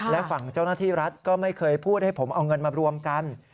และฝั่งเจ้าหน้าที่รัฐก็ไม่เคยพูดให้ผมเอาเงินมารวมกัน